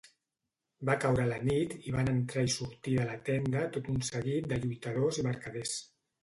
Va caure la nit i van entrar i sortir de la tenda tot un seguit de lluitadors i mercaders.